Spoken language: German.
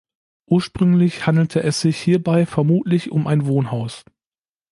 Ursprünglich handelte es sich hierbei vermutlich um ein Wohnhaus.